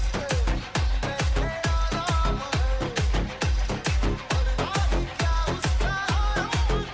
สวัสดีครับ